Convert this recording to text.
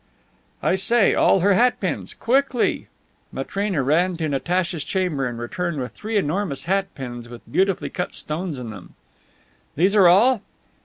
"I say, all her hat pins. Quickly!" Matrena ran to Natacha's chamber and returned with three enormous hat pins with beautifully cut stones in them. "These are all?"